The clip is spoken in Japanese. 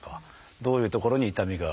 どういう所に痛みがある。